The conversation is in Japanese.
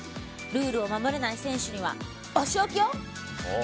ルールを守れない選手にはお仕置きよ！